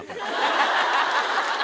ハハハハ。